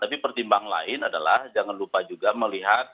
tapi pertimbangan lain adalah jangan lupa juga melihat